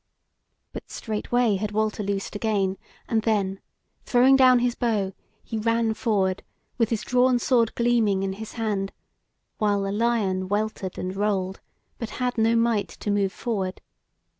But straightway had Walter loosed again, and then, throwing down his bow, he ran forward with his drawn sword gleaming in his hand, while the lion weltered and rolled, but had no might to move forward.